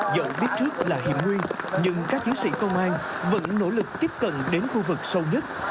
dẫu biết trước là hiểm nguyên nhưng các chiến sĩ công an vẫn nỗ lực tiếp cận đến khu vực sâu nhất